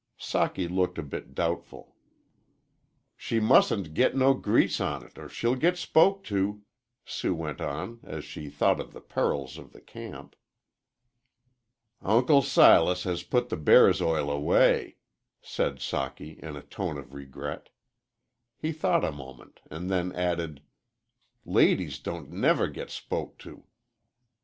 Socky looked a bit doubtful. "She mustn't git no grease on it or she'll git spoke to," Sue went on as she thought of the perils of the camp. "Uncle Silas has put the bear's oil away," said Socky, in a tone of regret. He thought a moment, and then added, "Ladies don't never git spoke to."